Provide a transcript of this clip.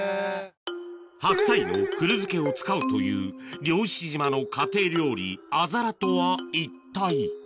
白菜の古漬けを使うという漁師島の家庭料理あざらとは一体？